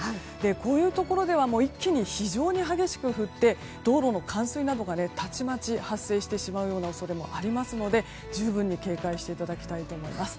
こういうところでは一気に非常に激しく降って道路の冠水などがたちまち発生してしまう恐れもありますので十分に警戒してください。